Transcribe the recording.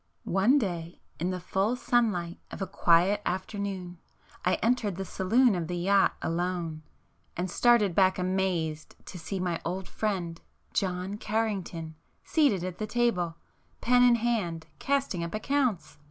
One day in the full sunlight of a quiet afternoon, I entered the saloon of the yacht alone, and started back amazed to see my old friend John Carrington seated at the table, pen in hand, casting up accounts.